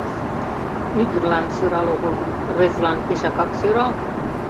«Ӱдырлан сӧрал огыл гын, рвезылан пешакак сӧрал.